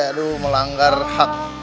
aduh melanggar hak konstitusi